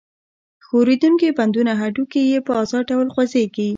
ښورېدونکي بندونه هډوکي یې په آزاد ډول خوځېږي.